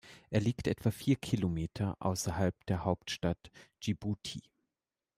Er liegt etwa vier Kilometer außerhalb der Hauptstadt Dschibuti.